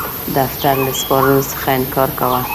دفتر له سپارلو څخه انکار کاوه.